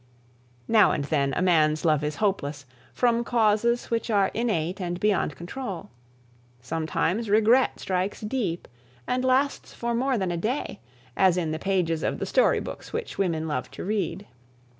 Now and then a man's love is hopeless, from causes which are innate and beyond control. Sometimes regret strikes deep and lasts for more than a day, as in the pages of the story books which women love to read.